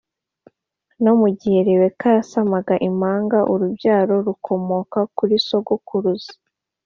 no mu gihe Rebeka yasamaga impanga urubyaro rukomoka kuri sogokuruza